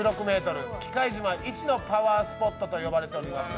喜界島一のパワースポットと言われております。